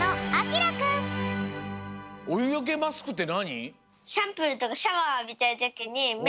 おゆよけマスクってなに？